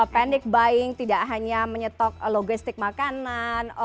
panic buying tidak hanya menyetok logistik makanan